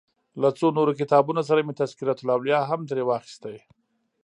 له څو نورو کتابونو سره مې تذکرة الاولیا هم ترې واخیست.